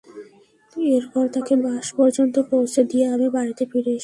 এরপর তাকে বাস পর্যন্ত পৌছে দিয়ে আমি বাড়িতে ফিরে এসেছি।